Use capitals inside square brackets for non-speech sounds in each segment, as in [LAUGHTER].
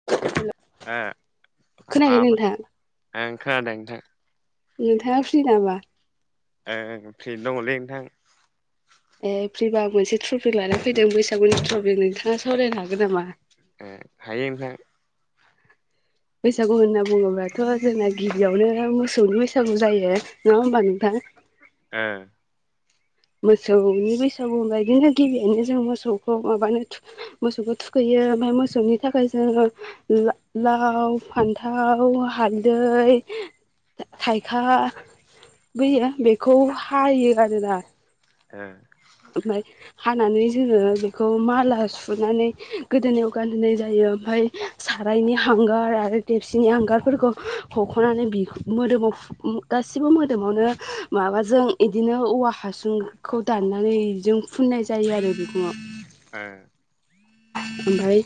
[INAUDIBLE] ओ खोनायाखै माबाफोर नोंथां खोनादों नोंथां नोंथाङा फ्रि नामा? ओं फे दङलै नोंथां ए फ्रिबा मोनसे ट्रफिख लानानै फैदों बैसागुनि ट्रफिख नोंथाङा सावरायनो हागोन नामा? ओ हायो नोंथां बैसागु होनना बुङोब्लाथ जोंना गिबियावनो मोसौनि बैसागु जायो। नङा होमबा नोंथां? ओ मोसौनि बैसागु बायदिनो गिबियैनो जों मोसौखौ माबानो थु मोसौखौ थुखैयो ओमफफ्राय मोसौनि थाखाय जोङो ला लाव फान्थाव हालदै थाइखा बैयो बेखौ हायो आरोना। ओ ओमफ्राय हानानै जोङो बेखौ माला सुनानै गोदोनायाव गानहोनाय जायो ओमफ्राय सारायनि हांगार आरो देबसिनि हांगारफोरखौ हख'नानै बि मोदोमाव गासिबो मोदोमावनो माबाजों इदिनो औवा हासुंखौ दानना नै इजों फुननाय जायो आरो बिखंङाव ओ ओमफ्राय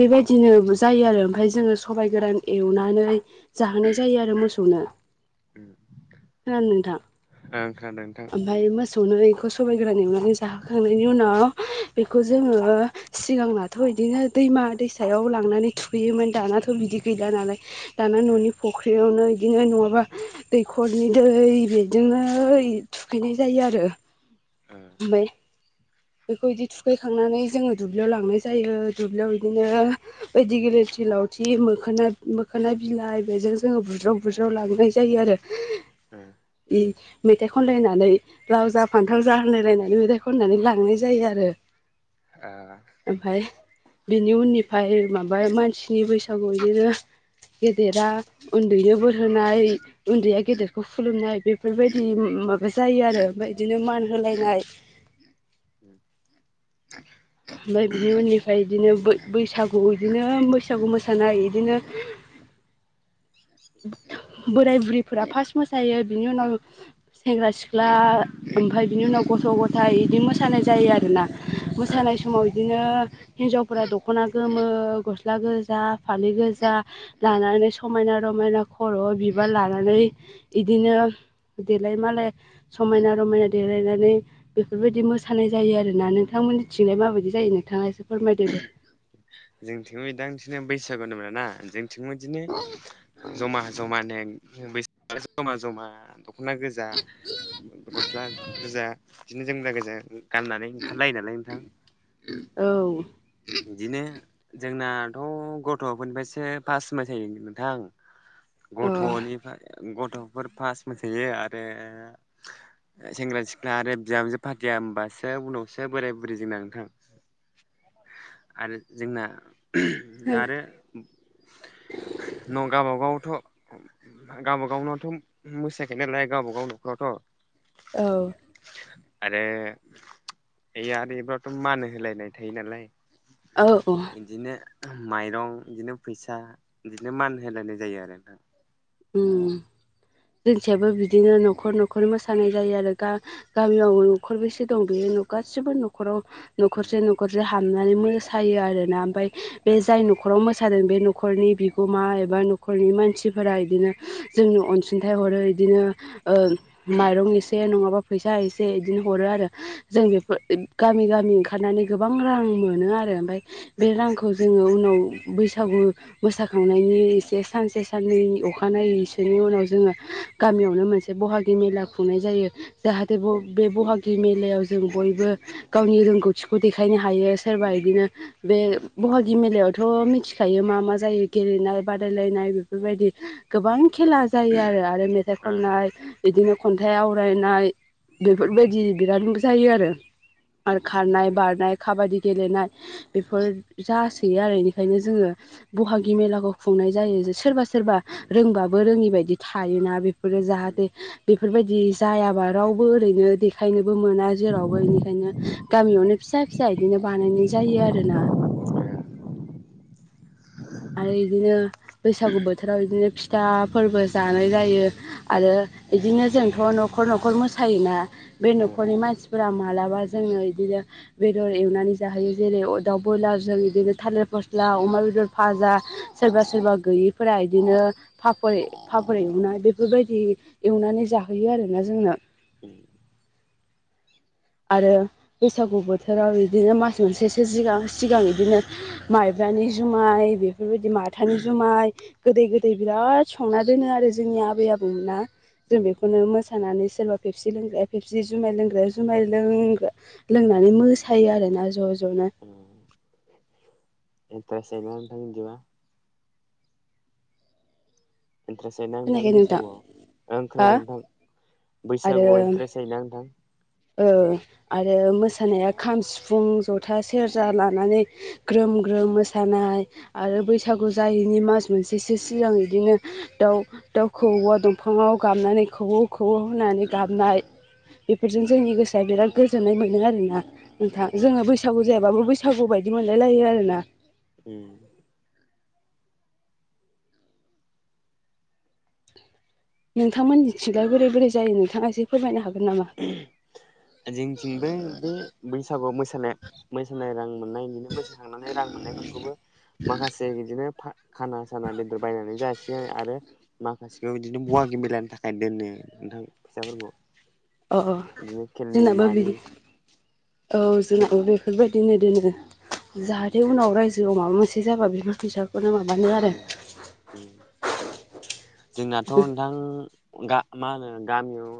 बेबायदिनो जायो आरो ओमफ्राय जोङो सबाइ गोरान एवनानै जाहोनाय जायो आरो मोसौनो। उ खोनादों नोंथां ओमफ्राय मोसौ संनो बेखौ सबाय गोरान एवनानै जाहोखांनायनि उनाव बेखौ जोङो सिगांनाथ' बिदिनो दैमा दैसा सायाव लांनानै थुहैयोमोन दानाथ' बिदि गैला नालाय दाना ओ न'नि फुख्रियावनो बिदिनो नङाबा दैख खरनि दै बेजोंनो थुखैनाय जायो आरो। ओ। [UNINTELLIGIBLE] बेखौ इदि थुखैखांनानै जोङो दुब्लियाव लांनाय जायो दुब्लियाव इदिनो दि गिलिरथि लावथि मोखोना मोखोना बिलाइ बेजों जोङो बुज्राव बुज्राव लांनाय जायो आरो। [INAUDIBLE] उम। इ मेथाइ खनलायनानै लाव जा फान्थाव जा होनलाय लायनानै मेथाइ खननानै लांनाय जा जायो आरो। आ ओमफाय बेनि उननिफाय माबा मानसिनि बैसागु इदिनो गेदेरा उन्दैनो बोर होनाय उन्दैया गेदेरखौ खुलुमनाय बेफोरबायदि माबा जायो आरो ओमफ्राय इदिनो मान होलायनाय उम। ओमफाय बिनि उनि ओमफ्राय इदिनो बै बैसागु बिदिनो बैसागु मोसानाय इदिनो [INAUDIBLE] बोराय बुरैफोरा फार्स्ट मोसायो बिनि उनाव सेंग्रा सिख्ला ओमफ्राय बिनि उनाव गथ' गथायाइ बिदि मोसानाय जायो आरोना। ओ मोसानाय समाव इदिनो हिनजावफोरा दख'ना गोमो गस्ला गोजा फालि गोजा लानानै समायना रमायना खर' बिबार लानानै इदिनो देलाय मालाय समायना रमायना देलायनानै बेफोरबायदि मोसानाय जायो आरोना नोंथांमोननि थिंजाय माबायदि जायो नोंथाङा एसे फोरमायदो दे। जोंथिं [UNINTELLIGIBLE] बैसागु होनबा ना जों थिंबो इदिनो जमा जमा नो [UNINTELLIGIBLE] जमा जमा दख'ना गोजा गस्ला गोजा बिदिनो जोमग्रा गोजा गाननानै ओंखारलायो नालाय नोंथां। औ। इदिनो जोंनाथ' गथ'फोरनिफ्रायसो पासाय थायो नोंथां। गथ'निफ्राय गथ'फोर फार्स्ट मोसायो आरो सेंग्रा सिख्ला आरो बिहामजो फाथिया होनबासो उनावसो बोराय बुरै जोंना नोंथां आरो जोंना उमह आरो [INAUDIBLE] न' गावबागावथ' गावबाागावनावथ' मो मोसायाखायो नालाय गावबाागाव न'खरावथ' औ। आरो आरो बेबथ' मान होलायनाय थायो नालाय। औ इदिनो माइरं इदिनो फैसा इदिनो मान होलायनाय जायो आरो नोंथां। उम जोंनिथियायबो बिदिनो नखर नखर मोसानाय जायो आरो गा गामियाव न'खर बेसे दं बेनि गासिबो न'खराव नखरसे नखरसे हाबनानै मोसायो आरो ना ओमफाय ओ बे जाय नख न'खराव मोसादों बे न'खरनि बिगोमा एबा न'खरनि मानसिफोरा इदिनो जोंनो अनसुंथाइ हरो बिदिनो माइरं एसे नङाबा फैसा एसे इदिनो हरो आरो जों बेफोर गामि गामि ओंखारनानै गोबां रां मोनो आरो ओमफफ्राय बे रांखौ जोङो उनाव बैसागु मोसाखांनायनि एसे सानसे साननै अखा खानायैसोनि उनाव जोङो गामियावनो मोनसे बहागि मेला खुंनाय जायो। जाहाथे ब -बे बहागि मेलायाव जों बयबो गावनि रोंगौथिखौ देखायनो हायो सोरबा बिदिनो बे बहागि मेलायावथ' मिथिखायो मा मा जायो गेलेनाय बादायलायनाय बेफोरबायदि गोबां खेला जायो आरो आरो मेथाइ ओ खननाय बिदिनो खन्थाइ आवरायनाय बेफोरबायदि बिराद जायो आरो। आरो खारनाय बारनाय खाबादि गेलेनाय बेफोर जासैयो आरो इनिखायनो जोङो बहागि मेलाखौ खुंनाय जायो सोरबा- सोरबा रोंबाबो रोङिबायायदि थायोना बेफोरो जाहाथे बेफोरबायदि जायाबा रावबो ओरैनो देखायनोबो मोना जेरावबो बेनिखायनो गामियावनो फिसा फिसा बिदिनो बानायनाय जायो आरोना। आरो बिदिनो बैसागु बोथोराव बिदिनो फिथा फोरबो जानाय जायो। आरो बिदिनो जोंथ' न'खर न'खर मोसायोना बे ओ न'खरनि मानसि फुरा मालाबा जोङो बिदिनो बेदर एवनानै जाहोयो जेरै दाउ ब्रयलार जों बिदिनो थालिर फस्ला अमा, बेदर फाजा सोरबा सोरबा गैयि फोरा बिदिनो फाफर -फाफर एवनाय बेफोरबायदि एवनानै जाहोयो आरो। दा जोंनो [INAUDIBLE] आरो बैसागु बोथोराव बिदिनो मास मोनसेसो सिगां सिगां बिदिनो माइब्रानि जुमाय बे बेफोरबायदि माथानि जुमाय गोदै गोदै बिराद संना दोनो आरो जोंनि आबै -आबौ जों उम बेखौनो मोसानानै सोरबा फेबसि लोंग्राया फेबसि जुमाय लोंग्राया जुमाय लों लोंनानै मोसायो आरोोना ज' ज'नो एनथारेस जायोना बिदिब्ला थाय इन्टारेस्ट जायोना नोंथां बैसागुआव ओं हा खोनादों नोंथां आरो बैसागुआव इन्ट्रेस्ट जायोना नोंथां आरो मोसानाया खाम, सिफुं, जथा, सेरजा लानानै ग्रोम -ग्रोम मोसानाय आरो बैसागु जायैनि मास मोनसेसो सिगां बिदिनो दाउ- दाउ खौवआव दंफाङाव बानानै खौवौ खौवौ होनानै गाबनाय बेफोरजों जोंनि गोसोआ बिराद गोजोननाय मोनो आरोना नोंथ जों बैसो बैसागु जायाबाबो बैसागु बायदि मोनलाय लायो आरोना। उ नोंथांमोननि थिंजाय बोरै बोरै जायो नोंथाङा एसे फोरमायनो हागोन नामा? जोंनिथिंबो बे बैसागु मोसाानाय मोसानाय रां मोननायनायनिनो मोसाखांनानै रां मोननायफोरखौबो माखासे बिदिनो खाना साना बेदर बायनानै जासिगोन आरो माखासेखौ इदिनो बहागि मेलानि थाखाय दोनो नोंथां फैसाफोरखौ अ अ बिदिनो खेलनि जोंनाबा मानि बिदि औ खेल जोंबेफोरबायदिनो दोनो जाहाथे बेनि उनाव रायजोआव माबा मोनसे जाबा बिफोर फैसाखौनो माबायो आरो उम [INAUDIBLE] जोंनाथ' नोंथां मा होनो गामियाव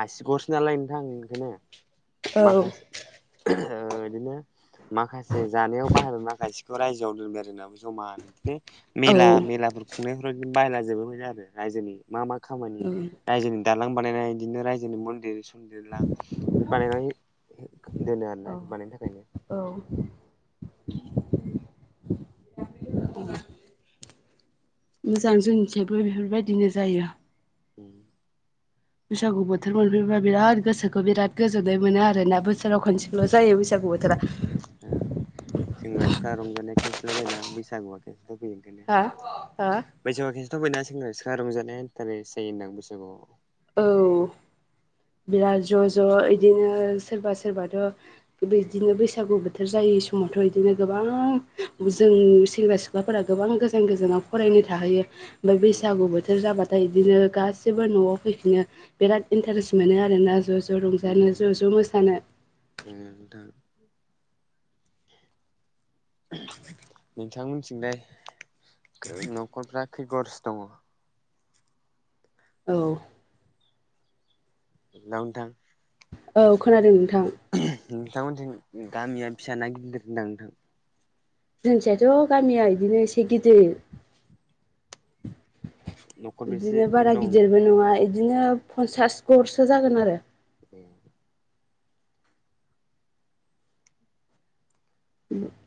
आसिगरसो नालाय नोंथां इदिनो औ माखासे ओं इदिनो माखासे जानायाव बाहायबाय माखासेखौ रायजोआव दोनबाय आरोबो जमा होनानो बिदिनो औ मेला मेलाफोर खुंनायफोराव बिदि बायला जोबोमोन आरो रायजोनि मा मा खामानि रायजोनि दालां बानायनाय बिदिनो रायजोनि मन्दिर सन्दिरला बानायनानै दोनो औ आरोना बानायनो थाखायनो औ मोजां जोंनिथिबो बेफोरबायदिनो जायो। उम बैसागु बोथोर मोनफैयोबा बिराद गोसोखौ बिराद गोजोन्नाय मोनो आरो ना बोसोराव खनसे ल' जायो बैसागु बोथोरा। ओ सेंग्रा सिख्ला रंजानाया केेस [UNINTELLIGIBLE] बैसागु हा हा बैसागुआव खिन्थु बयनाबो सेंग्रा सिख्ला रंजानाया इन्टारेस्ट जायो होनदां बैसागुआव। औ बिराद ज' ज' इदिनो सोरबा सोरबाथ' - बेदिनो बैसागु बोथोर जायै समावथ' बिदिनो गोबां उम जों सेंग्रा सिख्ला सिख्लाफोरा गोबां गोजान गोजानाव फरायनो थाहैयो ओमफ्राय उम बैसागु बोथोर जाबा बिदिनो गासिबो न'आव फैफिनो बिराद उम इन्टारेस्ट मोनो आरोना ज' ज' रंजानो ज' ज' मोसानो। ओम नोंथां [INAUDIBLE] नोंथां मोनथिंलाय न'खरफ्रा खैगरसो दङ? औ। दाव नोथां। औ खोनादों नोंथां। नोंथांमोनजों गामिया फिस ना गिददिर होनदां नोंथां? जोंथियाथ' गामिया बिदिनो एसे गिदिर। न'खरबेसे इदिनो दं बारा नोंथां? गिदिरबो नङा इदिनो पन्सास घरसो जागोन आरो [INAUDIBLE]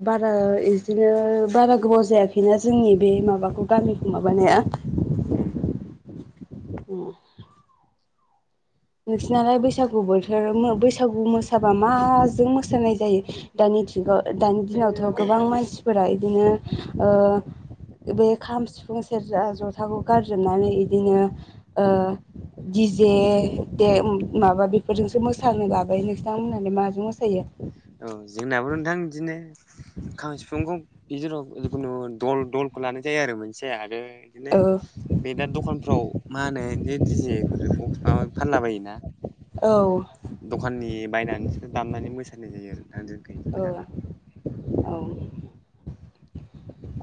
बारा बिदिनो बारा गोबाव जायाखैना जोंनि बे माबाखौ गामिखौ माबानाया। उम। [INAUDIBLE] नोंसिरनालाय बैसागु बोथोर बैसागु मोसाबा माजों मोसानाय जायो? दानि जुगाव दानि दिनावथ' गोबां मानसिफोरा बिदिनो ओ बे खाम सिफुं सेरजा जथाखौ गारजोबनानै इदिनो ओ दिजे दे उम माबा बेफोरजोंसो मोसानो लाबाय नोंसां होननानै माजों मोसायो? औ जोंनाबो नोंथां बिदिनो खाम सिफुंखौ इदेराव जिखुनु दल दलखौ लानाय जायो आरो मोनसे आरो बिदिनो बे दा दखानफ्राव मा होनो बि दिजेफोर बक्स माब फानला बायोना। औ। दखाननि बायनानैसो दामनानै मोसानाय जायो आरो नोंथां। जोंखैबो दाना। औ औ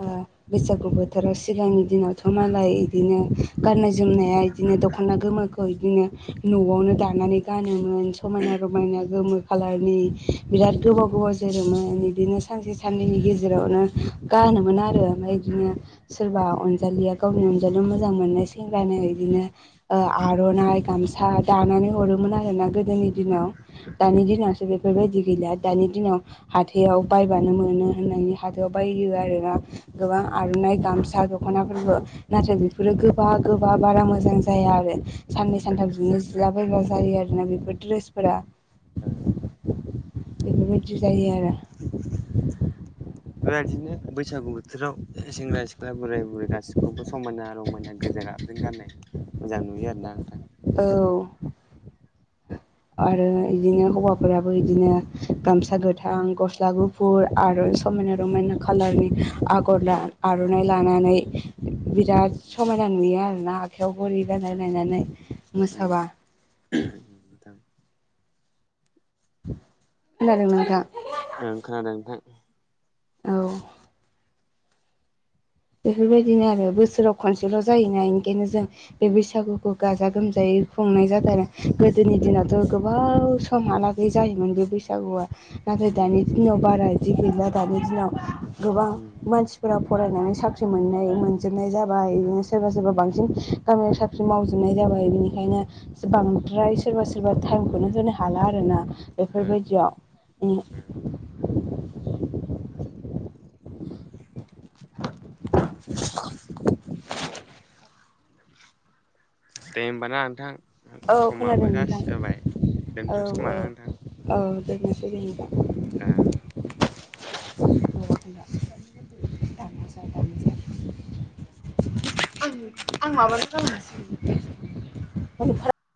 आ बैसागु बोथोराव सिगांनि दिनावथ' मालाय इदिनो गाननाय जोमनाया इदिनो दख'ना गोमो खौ इदिनो न'आवनो दानानै गानोमोन समायना रमायना गोमो खाालारनि बिराद गोबाव गोबाव जोरोमोन बिदिनो सानसे साननैनि गेजेरावनो गानोमोन आरो ओमफ्राय बिदिनो सोरबा अनजालिया गावनि अनजालियाव मोजां मोननाय सेंग्रानो बिदिनो आर'नाइ गामसा दानानै हरोमोन आरोना गोदोनि दिनाव दानि उम दिनावसो बेफोरबायदि गैलि दानि दिनाव हाथायाव बायबानो मोनो होननानै हाथायाव बाय आरोना गोबां उम आर'नाइ गामसा द दख'नाफोरबो नाथाय बेफोरो गोबा गोबा बारा मोजां जाया आरो साननै उम सानथाम जोंनो सिला बायग्रा आरोना बेफोर दड्रेसफोरा। ओ बेफोरबायदि जायो आरो। बेबायदिनो बैसागु बोथोराव सेंग्रा सिख्ला बोराय बुरै गासिखौबो समायना रमायना गोजा जों गाननाय मोजां नुयो आरो ना नोंथां। औ। आरो बिदिनो हौवाफोराबो बिदिनो गामसा गोथां गस्ला गुफुर फुर आर' समायना रमायना खालारनि आगर आर'नाइ लानानै बिराद समायना नुयो आरोना आखाइयाव गरि रानाय लायनानै उम मोसाबा नोंथां खोनादों नोंथां? ओं खोनादों नोंथां औ बेफोरबायदिनो आरो बोसोराव खनसेल' जायोना ओनिखायनो जों बे उम उम बैसागुखौ गाज गाजा गोमजायै खुंनाय जादों आरो गोदोनि उम दिनाव गोबाव समहालागै जायोमोन बे बैसागुआ नाथाय उम दानि दिनाव बारा जि गैला दानि दिनाव गोबां ओं मानसिफोरा फरायनानै साख्रि ख्रि मोननाय मोनजोबनाय जाबाय बिदिनो सोरबा सोरबा बांसिन गामियाव साख्रि मावजोबनाय जाबाय बिनिखायनो बांद्राय सोरबा सोरबा टाइमखौनो होनो हाला आर ना ओं बेफोरबायदियाव उम। [UNINTELLIGIBLE] दे होनोमबाना नोंथां औ खोनादों समाबो जाास नोंथां जाबाय औ दोनथ'नोसै औ खोमा नोंथां? औ दोननोसै दे होनबा ओ [INAUDIBLE] आं आं माबानो खालामै